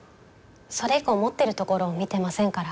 それ以降持ってるところを見てませんから。